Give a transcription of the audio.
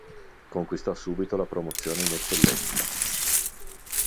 Conquistò subito la promozione in Eccellenza.